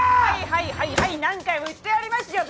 はいはいはい何回も言ってやりますよ